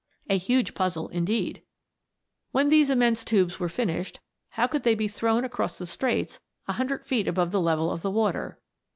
A huge puzzle, indeed ! When these immense tubes THE WONDERFUL LAMP. 333 were finished, how could they be thrown across the Straits a hundred feet above the level of the water